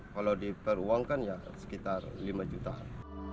kalau diperuangkan ya sekitar lima jutaan